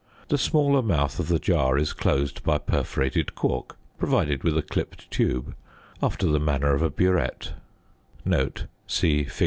The smaller mouth of the jar is closed by a perforated cork provided with a clipped tube after the manner of a burette (see fig.